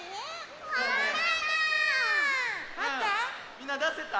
みんなだせた？